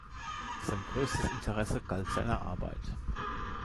Sein größtes Interesse galt seiner Arbeit.